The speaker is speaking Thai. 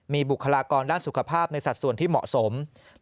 มีบุคลากรด้านสุขภาพในสัดส่วนที่เหมาะสม